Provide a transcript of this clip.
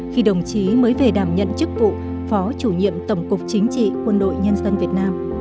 khi đồng chí mới về đảm nhận chức vụ phó chủ nhiệm tổng cục chính trị quân đội nhân dân việt nam